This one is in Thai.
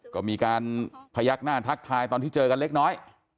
ก็มีการพยักหน้าทักทายตอนที่เจอกันเล็กน้อย